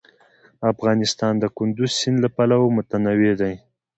افغانستان د کندز سیند له پلوه متنوع دی.